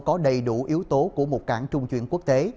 có đầy đủ yếu tố của một cảng trung chuyển quốc tế